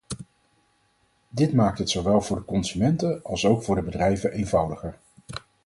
Dit maakt het zowel voor de consumenten alsook voor de bedrijven eenvoudiger.